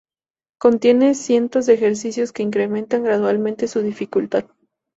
Contiene cientos de ejercicios que incrementan gradualmente su dificultad.